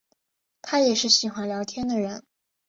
她也是喜欢聊天的人